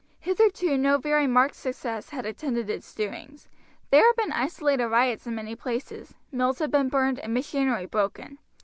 Hitherto no very marked success had attended its doings. There had been isolated riots in many places; mills had been burned, and machinery broken.